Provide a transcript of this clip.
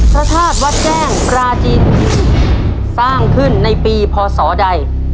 ภาษาวัดแจ้งปราจินทร์สร้างขึ้นในปีพอสอใด